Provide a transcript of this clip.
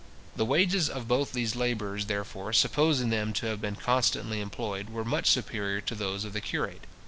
} The wages of both these labourers, therefore, supposing them to have been constantly employed, were much superior to those of the curate.